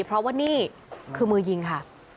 เพราะว่านี่คือมือยิงค่ะ